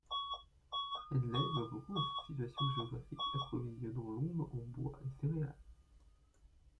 Henley doit beaucoup à sa situation géographique approvisionnant Londres en bois et céréales.